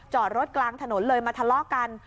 จอดรถกลางถนนเลยมาทะเลาะกัน